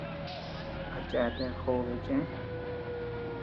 A cheatea jobe chëe.